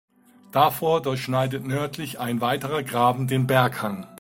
Davor durchschneidet nördlich ein weiterer Graben den Berghang.